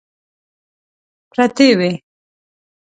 پرتې وې.